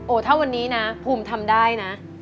ถ้าวันนี้นะภูมิทำได้นะ